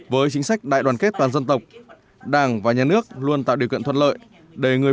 với chính sách đại đoàn kết toàn dân tộc đảng và nhà nước luôn tạo điều kiện thuận lợi để người